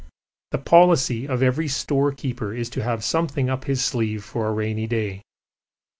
The policy of every storekeeper is to have something up his sleeve for a rainy day.